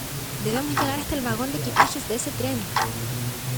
¡ Debemos llegar hasta el vagón de equipajes de ese tren!